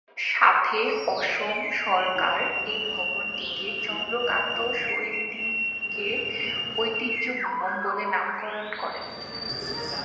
সাথে অসম সরকার এই ভবনটিকে চন্দ্রকান্ত সন্দিকৈ ঐতিহ্য ভবন বলে নামকরণ করেন।